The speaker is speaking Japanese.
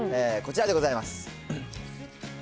こちらでございます。